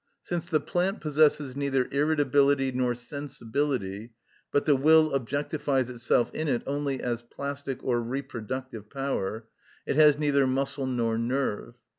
Since the plant possesses neither irritability nor sensibility, but the will objectifies itself in it only as plastic or reproductive power, it has neither muscle nor nerve.